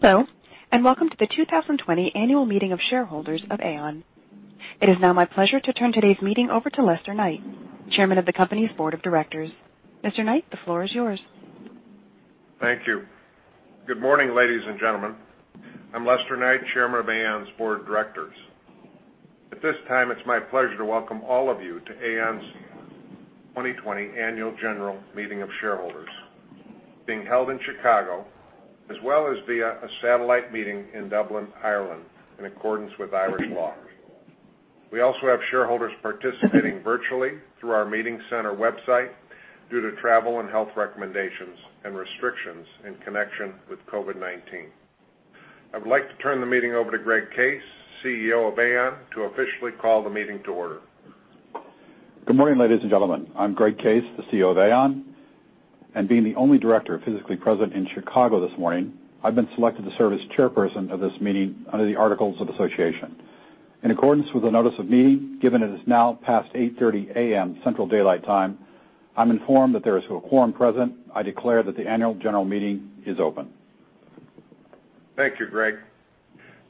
Hello, and welcome to the 2020 annual meeting of shareholders of Aon. It is now my pleasure to turn today's meeting over to Lester Knight, chairman of the company's board of directors. Mr. Knight, the floor is yours. Thank you. Good morning, ladies and gentlemen. I'm Lester Knight, chairman of Aon's board of directors. At this time, it's my pleasure to welcome all of you to Aon's 2020 annual general meeting of shareholders being held in Chicago, as well as via a satellite meeting in Dublin, Ireland, in accordance with Irish law. We also have shareholders participating virtually through our meeting center website due to travel and health recommendations and restrictions in connection with COVID-19. I would like to turn the meeting over to Greg Case, CEO of Aon, to officially call the meeting to order. Good morning, ladies and gentlemen. I'm Greg Case, the CEO of Aon, being the only director physically present in Chicago this morning, I've been selected to serve as chairperson of this meeting under the articles of association. In accordance with the notice of meeting, given it is now past 8:30 A.M. Central Daylight Time, I'm informed that there is a quorum present. I declare that the annual general meeting is open. Thank you, Greg.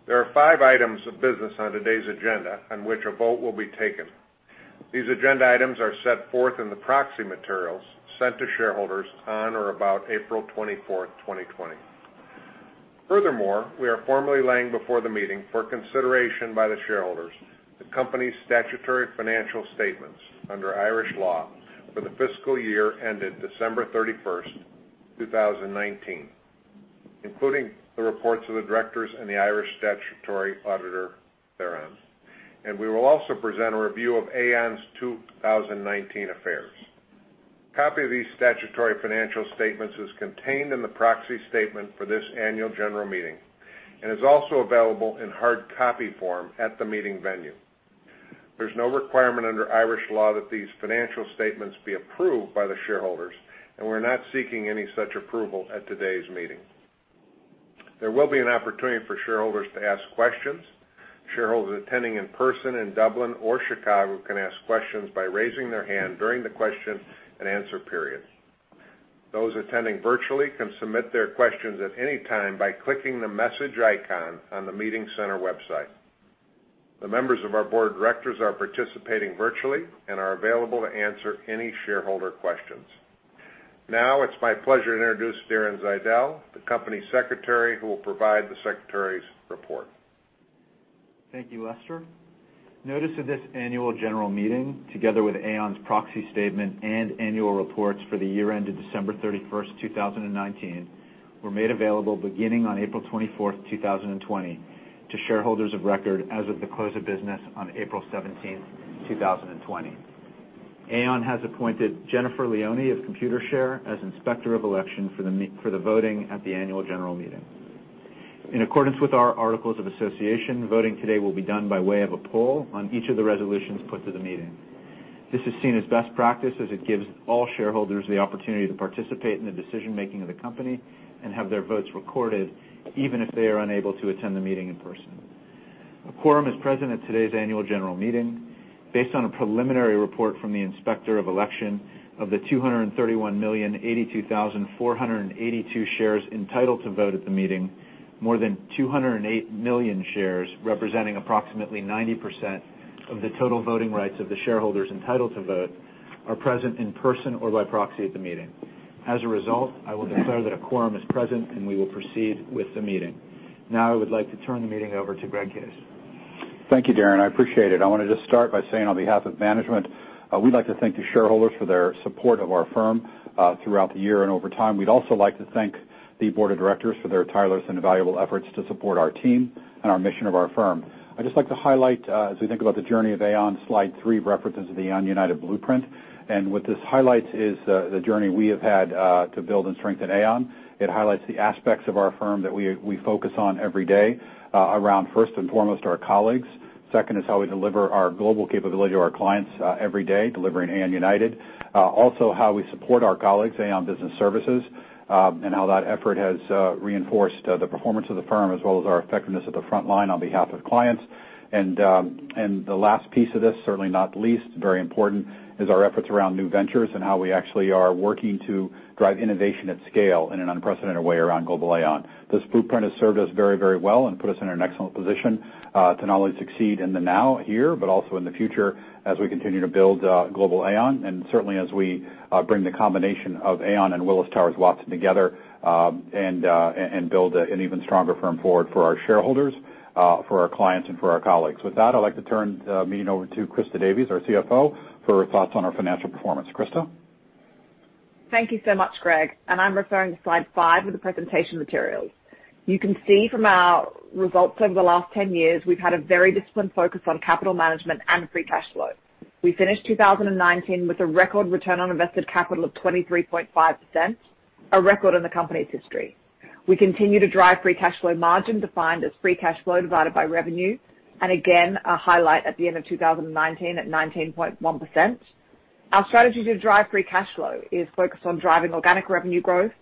There are five items of business on today's agenda on which a vote will be taken. These agenda items are set forth in the proxy materials sent to shareholders on or about April 24th, 2020. We are formally laying before the meeting for consideration by the shareholders the company's statutory financial statements under Irish law for the fiscal year ended December 31st, 2019, including the reports of the directors and the Irish statutory auditor thereon. We will also present a review of Aon's 2019 affairs. Copy of these statutory financial statements is contained in the proxy statement for this annual general meeting and is also available in hard copy form at the meeting venue. There's no requirement under Irish law that these financial statements be approved by the shareholders, and we're not seeking any such approval at today's meeting. There will be an opportunity for shareholders to ask questions. Shareholders attending in person in Dublin or Chicago can ask questions by raising their hand during the question and answer period. Those attending virtually can submit their questions at any time by clicking the message icon on the meeting center website. The members of our board of directors are participating virtually and are available to answer any shareholder questions. It's my pleasure to introduce Darren Zeidel, the company secretary, who will provide the secretary's report. Thank you, Lester. Notice of this annual general meeting, together with Aon's proxy statement and annual reports for the year ended December 31st, 2019, were made available beginning on April 24th, 2020 to shareholders of record as of the close of business on April 17th, 2020. Aon has appointed Jennifer Leoni of Computershare as Inspector of Election for the voting at the annual general meeting. In accordance with our articles of association, voting today will be done by way of a poll on each of the resolutions put to the meeting. This is seen as best practice as it gives all shareholders the opportunity to participate in the decision-making of the company and have their votes recorded, even if they are unable to attend the meeting in person. A quorum is present at today's annual general meeting. Based on a preliminary report from the Inspector of Election, of the 231,082,482 shares entitled to vote at the meeting, more than 208 million shares, representing approximately 90% of the total voting rights of the shareholders entitled to vote are present in person or by proxy at the meeting. As a result, I will declare that a quorum is present, and we will proceed with the meeting. I would like to turn the meeting over to Greg Case. Thank you, Darren. I appreciate it. I want to just start by saying on behalf of management, we'd like to thank the shareholders for their support of our firm, throughout the year and over time. We'd also like to thank the board of directors for their tireless and valuable efforts to support our team and our mission of our firm. I'd just like to highlight, as we think about the journey of Aon, slide three references the Aon United blueprint. What this highlights is the journey we have had to build and strengthen Aon. It highlights the aspects of our firm that we focus on every day around, first and foremost, our colleagues. Second is how we deliver our global capability to our clients every day, delivering Aon United. How we support our colleagues, Aon Business Services, and how that effort has reinforced the performance of the firm as well as our effectiveness at the front line on behalf of clients. The last piece of this, certainly not least, very important, is our efforts around new ventures and how we actually are working to drive innovation at scale in an unprecedented way around global Aon. This blueprint has served us very well and put us in an excellent position to not only succeed in the now here but also in the future as we continue to build global Aon and certainly as we bring the combination of Aon and Willis Towers Watson together and build an even stronger firm forward for our shareholders, for our clients, and for our colleagues. With that, I'd like to turn the meeting over to Christa Davies, our CFO, for her thoughts on our financial performance. Christa? Thank you so much, Greg. I'm referring to slide five of the presentation materials. You can see from our results over the last 10 years, we've had a very disciplined focus on capital management and free cash flow. We finished 2019 with a record return on invested capital of 23.5%, a record in the company's history. We continue to drive free cash flow margin defined as free cash flow divided by revenue, and again, a highlight at the end of 2019 at 19.1%. Our strategy to drive free cash flow is focused on driving organic revenue growth,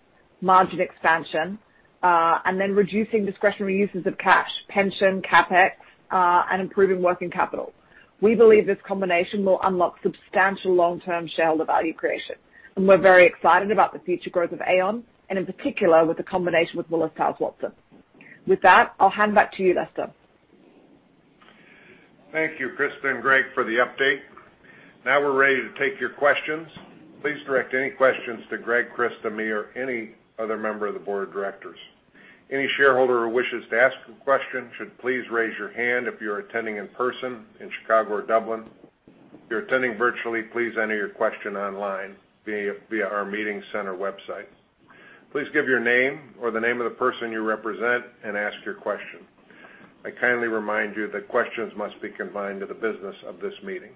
margin expansion, and then reducing discretionary uses of cash, pension, CapEx, and improving working capital. We believe this combination will unlock substantial long-term shareholder value creation, and we're very excited about the future growth of Aon, and in particular, with the combination with Willis Towers Watson. With that, I'll hand back to you, Lester. Thank you, Christa and Greg, for the update. Now we are ready to take your questions. Please direct any questions to Greg, Christa, me, or any other member of the Board of Directors. Any shareholder who wishes to ask a question should please raise your hand if you are attending in person in Chicago or Dublin. If you are attending virtually, please enter your question online via our meeting center website. Please give your name or the name of the person you represent and ask your question. I kindly remind you that questions must be confined to the business of this meeting.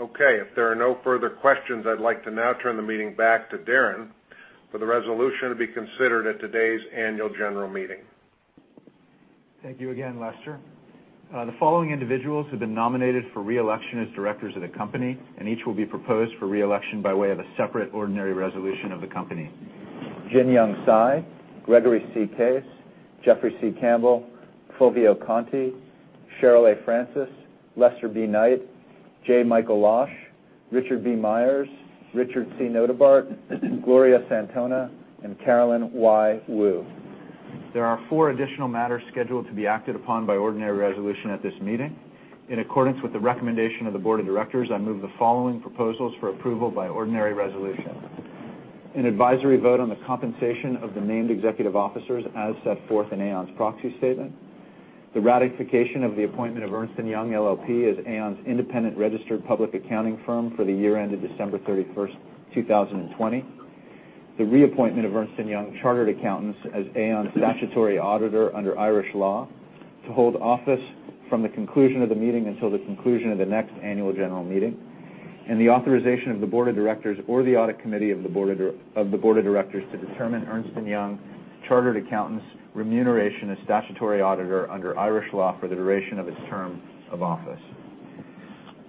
Okay, if there are no further questions, I would like to now turn the meeting back to Darren for the resolution to be considered at today's annual general meeting. Thank you again, Lester. The following individuals have been nominated for reelection as directors of the company, and each will be proposed for reelection by way of a separate ordinary resolution of the company. Jin-Yong Cai, Gregory C. Case, Jeffrey C. Campbell, Fulvio Conti, Cheryl A. Francis, Lester B. Knight, J. Michael Losh, Richard B. Myers, Richard C. Notebaert, Gloria Santona, and Carolyn Y. Woo. There are four additional matters scheduled to be acted upon by ordinary resolution at this meeting. In accordance with the recommendation of the Board of Directors, I move the following proposals for approval by ordinary resolution. An advisory vote on the compensation of the named executive officers as set forth in Aon's proxy statement. The ratification of the appointment of Ernst & Young LLP as Aon's independent registered public accounting firm for the year end of December 31st, 2020. The reappointment of Ernst & Young Chartered Accountants as Aon statutory auditor under Irish law to hold office from the conclusion of the meeting until the conclusion of the next annual general meeting. And the authorization of the Board of Directors or the Audit Committee of the Board of Directors to determine Ernst & Young Chartered Accountants' remuneration as statutory auditor under Irish law for the duration of its term of office.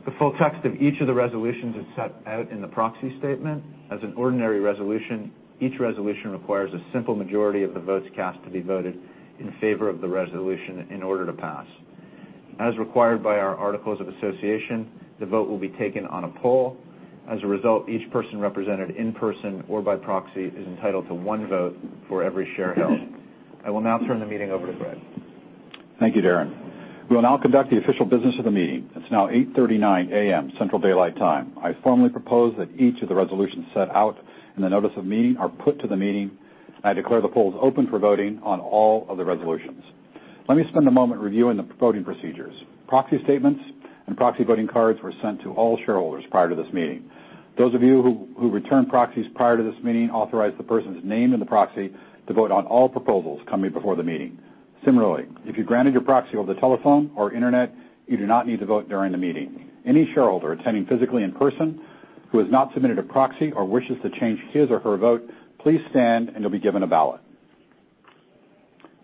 The full text of each of the resolutions is set out in the proxy statement. As an ordinary resolution, each resolution requires a simple majority of the votes cast to be voted in favor of the resolution in order to pass. As required by our articles of association, the vote will be taken on a poll. As a result, each person represented in person or by proxy is entitled to one vote for every share held. I will now turn the meeting over to Greg. Thank you, Darren. We will now conduct the official business of the meeting. It's now 8:39 A.M. Central Daylight Time. I formally propose that each of the resolutions set out in the notice of meeting are put to the meeting. I declare the polls open for voting on all of the resolutions. Let me spend a moment reviewing the voting procedures. Proxy statements and proxy voting cards were sent to all shareholders prior to this meeting. Those of you who returned proxies prior to this meeting authorized the person's name in the proxy to vote on all proposals coming before the meeting. Similarly, if you granted your proxy over the telephone or internet, you do not need to vote during the meeting. Any shareholder attending physically in person who has not submitted a proxy or wishes to change his or her vote, please stand and you'll be given a ballot.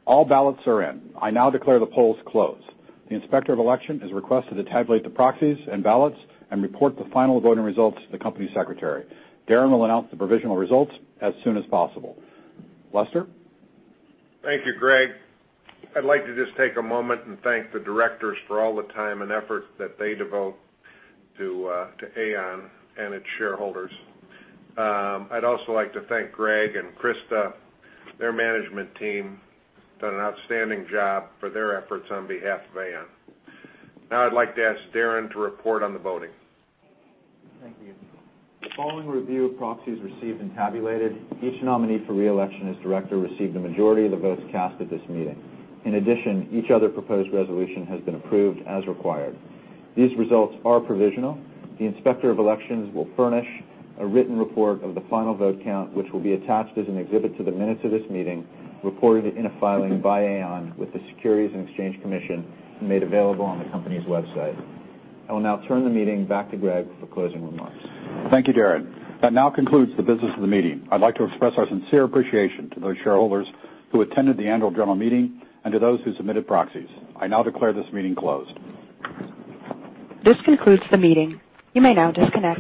All ballots are in. I now declare the polls closed. The inspector of election is requested to tabulate the proxies and ballots and report the final voting results to the company secretary. Darren will announce the provisional results as soon as possible. Lester? Thank you, Greg. I'd like to just take a moment and thank the directors for all the time and effort that they devote to Aon and its shareholders. I'd also like to thank Greg and Christa. Their management team done an outstanding job for their efforts on behalf of Aon. Now I'd like to ask Darren to report on the voting. Thank you. The following review of proxies received and tabulated, each nominee for reelection as director received a majority of the votes cast at this meeting. In addition, each other proposed resolution has been approved as required. These results are provisional. The inspector of election will furnish a written report of the final vote count, which will be attached as an exhibit to the minutes of this meeting, reported in a filing by Aon with the Securities and Exchange Commission and made available on the company's website. I will now turn the meeting back to Greg for closing remarks. Thank you, Darren. That now concludes the business of the meeting. I'd like to express our sincere appreciation to those shareholders who attended the annual general meeting and to those who submitted proxies. I now declare this meeting closed. This concludes the meeting. You may now disconnect.